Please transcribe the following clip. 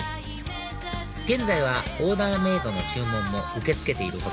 現在はオーダーメイドの注文も受け付けている他